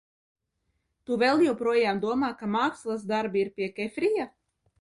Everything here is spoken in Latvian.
Tu vēl joprojām domā, ka mākslas darbi ir pie Kefrija?